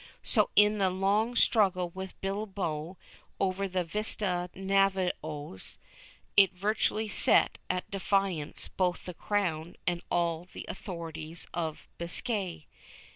So, in the long struggle with Bilbao over the visitas de navios, it virtually set at defiance both the crown and all the authorities of Biscay.